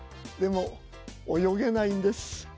でも泳げないんです。